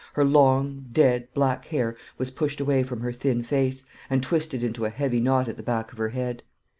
Her long, dead, black hair was pushed away from her thin face, and twisted into a heavy knot at the back of her head.